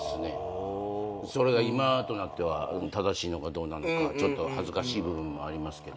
それが今となっては正しいのかどうなのかちょっと恥ずかしい部分もありますけど。